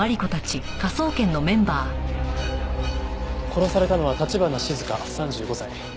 殺されたのは橘静香３５歳。